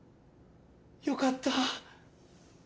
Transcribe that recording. よかった！